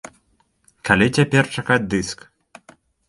Калі цяпер чакаць дыск?